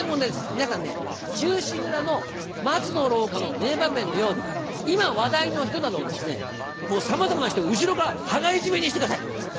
皆さんね忠臣蔵の松の廊下の名場面のように今話題の人などをもうさまざまな人を後ろから羽交い締めにしてください。